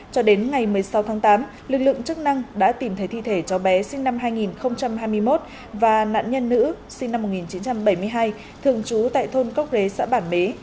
cho đến ngày một mươi sáu tháng tám lực lượng chức năng đã tìm thấy thi thể cháu bé sinh năm hai nghìn hai mươi một và nạn nhân nữ sinh năm một nghìn chín trăm bảy mươi hai thường trú tại thôn cốc rế xã bản mế